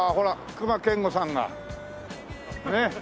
隈研吾さんがねっ。